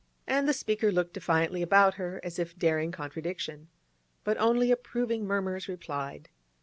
And the speaker looked defiantly about her, as if daring contradiction. But only approving murmurs replied.